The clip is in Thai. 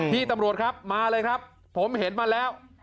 พี่ตำรวจครับมาเลยครับผมเห็นมาแล้ว